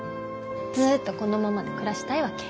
ずっとこのままで暮らしたいわけ。